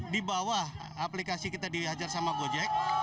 di bawah aplikasi kita dihajar sama gojek